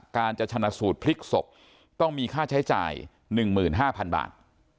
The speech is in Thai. การจะชนะสูตรพลิกศพต้องมีค่าใช้จ่าย๑๕๐๐๐บาท